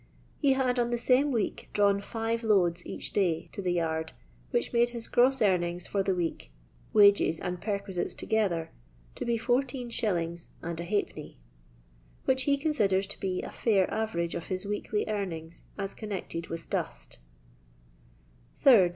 He had on the same week drawn rather more than five loads each day, to the yard, which made his gross earnings for the week, wages and perquisites together, to be lit, 0\d. which he considers to be a fair average of his weekly earnings as connected witb dust 8rd.